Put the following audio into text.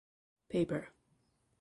Paper.